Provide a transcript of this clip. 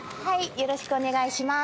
よろしくお願いします。